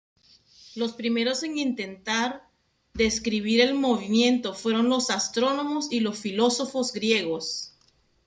Los primeros en intentar describir el movimiento fueron los astrónomos y los filósofos griegos.